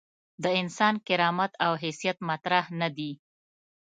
د انسان کرامت او حیثیت مطرح نه دي.